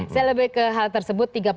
saya lebih ke hal tersebut